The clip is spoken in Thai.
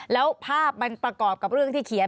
แล้วภาพมันประกอบกับเรื่องที่เขียน